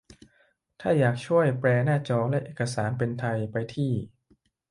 ถ้าอยากช่วยแปลหน้าจอและเอกสารเป็นไทย ไปที่